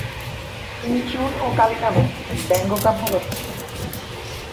তিনি 'চুন ও কালি' নামে ব্যঙ্গকাব্য রচনা করেন।